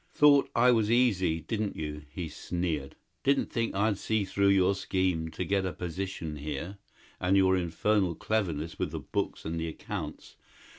"Thought I was easy, didn't you?" he sneered. "Didn't think I'd see through your scheme to get a position here and your infernal cleverness with the books and the accounts?